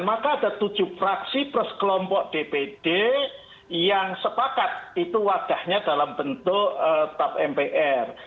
maka ada tujuh fraksi plus kelompok dpd yang sepakat itu wadahnya dalam bentuk tap mpr